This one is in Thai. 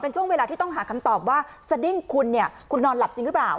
ช่วงเวลาที่ต้องหาคำตอบว่าสดิ้งคุณเนี่ยคุณนอนหลับจริงหรือเปล่า